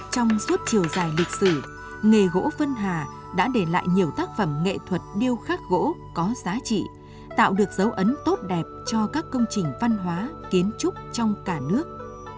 trong suốt chiều dài lịch sử nghề gỗ vân hà đã để lại nhiều tác phẩm nghệ thuật điêu khắc gỗ có giá trị tạo được dấu ấn tốt đẹp cho các công trình văn hóa kiến trúc trong cả nước